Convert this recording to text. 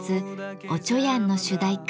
「おちょやん」の主題歌